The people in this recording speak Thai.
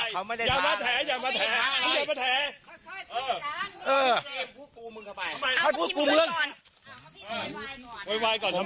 คุณอาวุธเอาเรื่องน่ะหวัยก่อนนะ